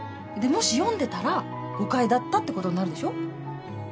でもし読んでたら誤解だったってことになるでしょ？